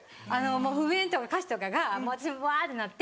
もう譜面とか歌詞とかが私もぶわってなって。